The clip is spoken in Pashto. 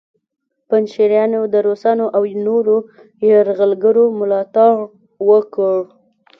پنجشیریانو د روسانو او نورو یرغلګرو ملاتړ وکړ